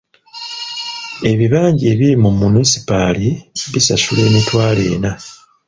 Ebibanja ebiri mu munisipaali bisasula emitwalo ena.